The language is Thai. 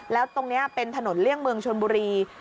แล้วตรงนี้เป็นถนนเลี่ยงเมืองชนบุรี